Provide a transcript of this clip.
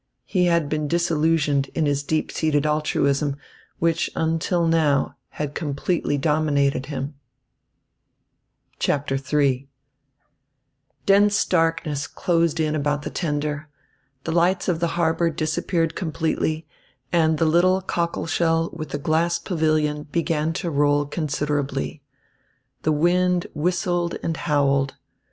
He had been disillusioned in his deep seated altruism, which until now had completely dominated him. III Dense darkness closed in around the tender. The lights of the harbour disappeared completely, and the little cockle shell with the glass pavilion began to roll considerably. The wind whistled and howled.